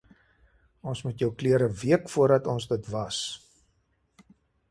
Ons moet jou klere week voordat ons dit was.